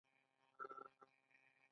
د وچ ټوخي لپاره د بادام او شیدو ګډول وکاروئ